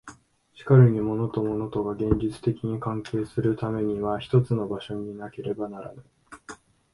しかるに物と物とが現実的に関係するためには一つの場所になければならぬ。